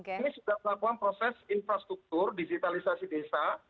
ini sudah melakukan proses infrastruktur digitalisasi desa